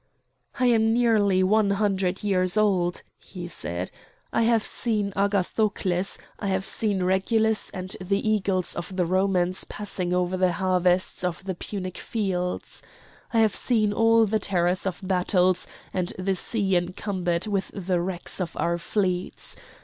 "I am nearly one hundred years old," he said. "I have seen Agathocles; I have seen Regulus and the eagles of the Romans passing over the harvests of the Punic fields! I have seen all the terrors of battles and the sea encumbered with the wrecks of our fleets!